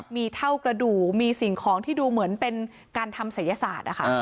มีเท่ากระดูกมีสิ่งของที่ดูเหมือนเป็นการทำศัยศาสตร์นะคะ